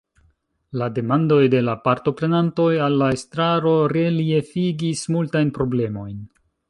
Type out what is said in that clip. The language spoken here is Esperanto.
La demandoj de la partoprenantoj al la estraro reliefigis multajn problemojn.